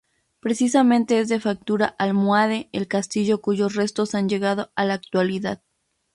Precisamente es de factura almohade el castillo cuyos restos han llegado a la actualidad.